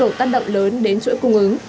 trung độ tăng động lớn đến chuỗi cung ứng